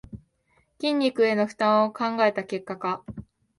筋肉への負担を考えた結果か